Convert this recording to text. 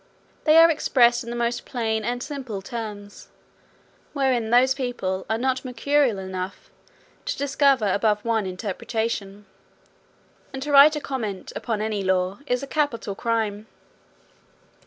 They are expressed in the most plain and simple terms, wherein those people are not mercurial enough to discover above one interpretation: and to write a comment upon any law, is a capital crime.